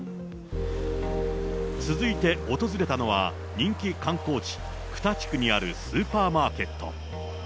続いて訪れたのは、人気観光地、クタ地区にあるスーパーマーケット。